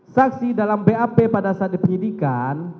saksi dalam bap pada saat dipindikan